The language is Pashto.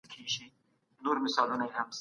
سـي بـــاران يــې اوري